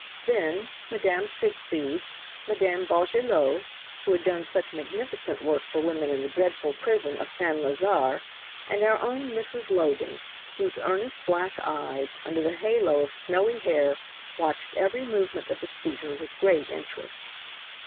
Then Madame Siegfried, Madame Bogelot, who has done such magnificent work for women in the dreadful prison of St. Lazare, and our own Mrs. Logan, whose earnest black eyes, under the halo of snowy hair, watched every movement of the speaker with great interest.